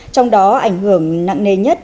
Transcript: trong đó ảnh hưởng nặng nề nhất